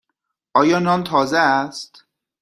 آیا نان تازه است؟